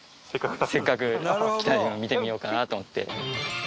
せっかく来たので見てみようかなと思って。